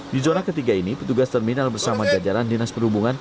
di zona ketiga ini petugas terminal bersama jajaran dinas perhubungan